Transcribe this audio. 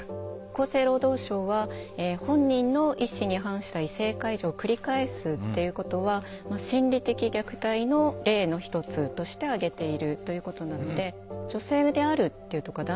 厚生労働省は本人の意思に反した異性介助を繰り返すっていうことは心理的虐待の例の一つとして挙げているということなので。